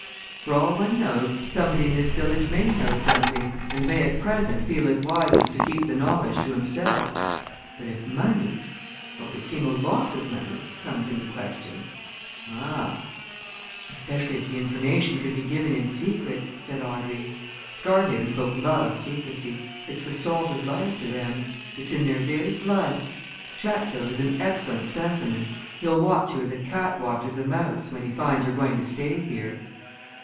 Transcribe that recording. For all one knows, somebody in this village may know something, and may at present feel it wisest to keep the knowledge to himself. But if money what would seem a lot of money comes into question ah!" "Especially if the information could be given in secret," said Audrey. "Scarhaven folk love secrecy it's the salt of life to them: it's in their very blood. Chatfield is an excellent specimen. He'll watch you as a cat watches a mouse when he finds you're going to stay here."